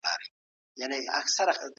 خپله فرضیه په عمل کي ثابته کړه.